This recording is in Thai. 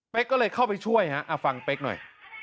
ก็เลยเข้าไปช่วยฮะฟังเป๊กหน่อย